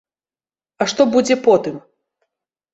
А што будзе потым?